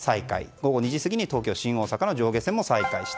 午後２時過ぎに東京新大阪の上下線も再開。